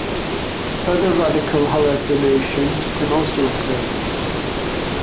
Other radical halogenations can also occur.